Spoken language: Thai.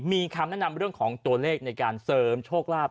มีคำแนะนำเรื่องของตัวเลขในการเสริมโชคลาภ